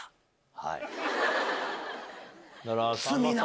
はい。